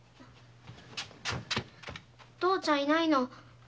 お父ちゃんいないの。